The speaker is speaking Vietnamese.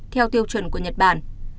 theo tiêu chuẩn của nhật bản